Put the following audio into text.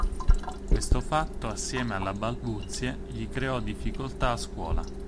Questo fatto assieme alla balbuzie gli creò difficoltà a scuola.